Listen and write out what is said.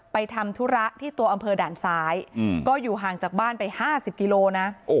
ทำธุระที่ตัวอำเภอด่านซ้ายก็อยู่ห่างจากบ้านไป๕๐กิโลนะ